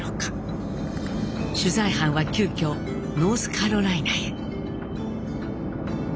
取材班は急きょノースカロライナへ。